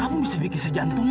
kamu bisa bikin sejantungan